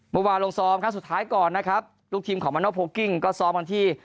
เมื่อวานลงซ้อมครับสุดท้ายก่อนนะครับลูกทีมของมาโนโพลกิ้งก็ซ้อมวันที่